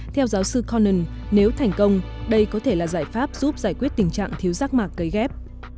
theo giáo sư conan nếu thành công đây có thể là giải pháp giúp giải quyết tình trạng thiếu giác mạc gây ghép